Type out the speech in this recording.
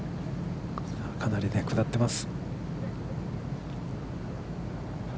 かなり下ってます。